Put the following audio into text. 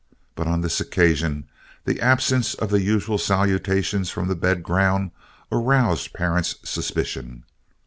But on this occasion the absence of the usual salutations from the bed ground aroused Parent's suspicion.